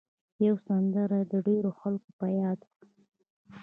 یوه سندره یې د ډېرو خلکو په یاد وه.